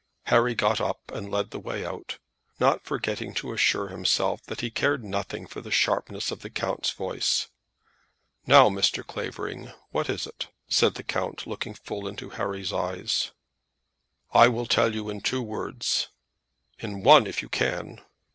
Harry got up and led the way out, not forgetting to assure himself that he cared nothing for the sharpness of the count's voice. "Now, Mr. Clavering, what is it?" said the count, looking full into Harry's eye. "I will tell you in two words." "In one if you can."